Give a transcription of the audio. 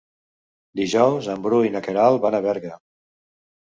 Dijous en Bru i na Queralt van a Berga.